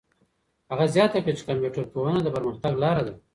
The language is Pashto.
هغه زیاته کړه چي کمپيوټر پوهنه د پرمختګ لاره ده.